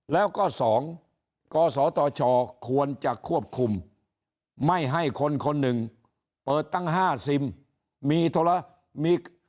แล้วก็สองกศตชควรจะควบคุมไม่ให้คนคนหนึ่งเปิดตั้ง๕ซิม